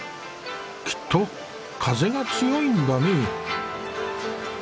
きっと風が強いんだね。